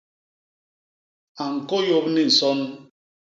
A ñkôyôp ni nson.